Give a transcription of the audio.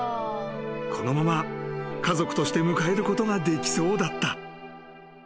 ［このまま家族として迎えることができそうだった］